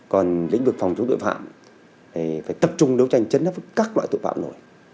còn lĩnh vực phòng chống tội phạm thì phải tập trung đấu tranh chấn hấp các loại tội phạm nổi